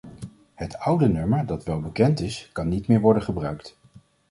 Het oude nummer dat wel bekend is, kan niet meer worden gebruikt.